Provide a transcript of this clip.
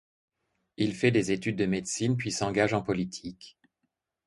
Il fait des études de médecine, puis s'engage en politique.